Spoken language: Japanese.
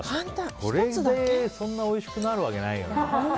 それでそんなおいしくなるわけないよね。